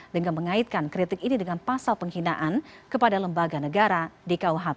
dengan mengaitkan kritik ini dengan pasal penghinaan kepada lembaga negara di kuhp